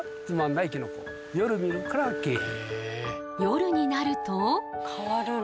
夜になると。